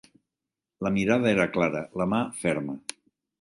La mirada era clara, la mà ferma.